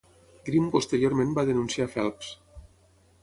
Green posteriorment va denunciar a Phelps.